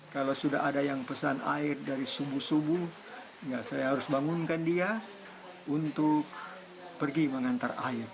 kalau sudah ada yang pesan air dari subuh subuh saya harus bangunkan dia untuk pergi mengantar air